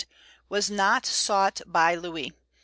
was not sought by Louis.